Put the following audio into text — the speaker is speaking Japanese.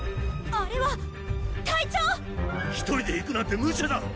あれは隊長⁉１人で行くなんてむちゃだ！